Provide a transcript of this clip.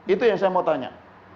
itu yang saya mau tanya